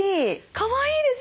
かわいいです。